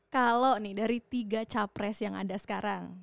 kalau nih dari tiga capres yang ada sekarang